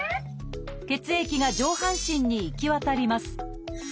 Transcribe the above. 血液が上半身に行き渡ります。